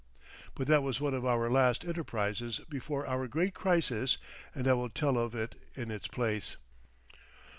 But that was one of our last enterprises before our great crisis, and I will tell of it in its place.